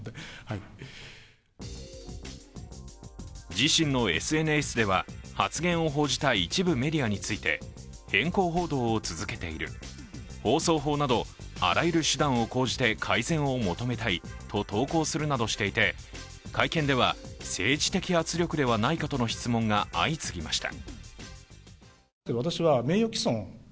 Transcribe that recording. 自身のＳＮＳでは発言を報じた一部メディアについて偏向報道を続けている、放送法などあらゆる手段を講じて改善を求めたいと投稿するなどしていて、会見では政治的圧力ではないかとの質問が相次ぎました。